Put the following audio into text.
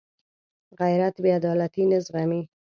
غیرت بېعدالتي نه زغمي